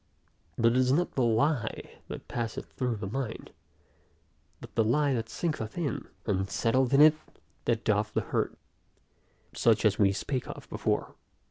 But it is not the lie that passeth through the mind, but the lie that sinketh in, and settleth in it, that doth the hurt; such as we spake of before.